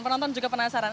penonton juga penasaran